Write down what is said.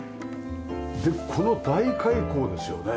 でこの大開口ですよね。